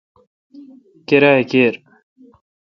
کیرا کیر۔